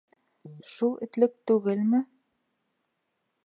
Шул этлек түгелме?